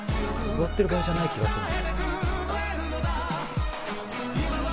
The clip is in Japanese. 座ってる場合じゃない気がする。